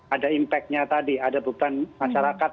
ada impact nya tadi ada beban masyarakat